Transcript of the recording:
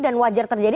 dan wajar terjadi